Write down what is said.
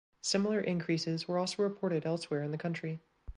Similar increases were also reported elsewhere in the country.